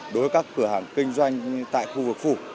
đối với các cửa hàng kinh doanh tại khu vực phủ